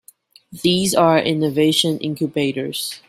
These are innovation incubators.